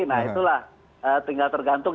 nah itulah tinggal tergantung